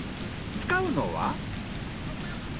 使うのは？